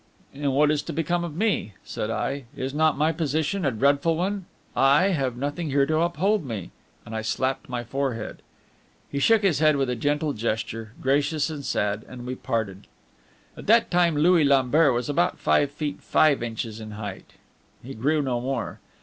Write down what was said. "And what is to become of me?" said I. "Is not my position a dreadful one? I have nothing here to uphold me!" and I slapped my forehead. He shook his head with a gentle gesture, gracious and sad, and we parted. At that time Louis Lambert was about five feet five inches in height; he grew no more.